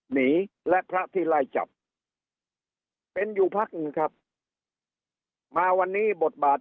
หนีและพระที่ลายจับเป็นอยู่พรรคครับมาวันนี้บทบาท